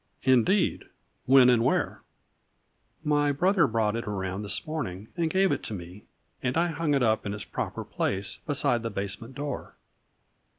" Indeed, when and where ?"" My brother brought it around this morning and gave it to me, and I hung it up in its pro per place, beside the basement door."